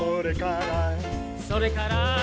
「それから」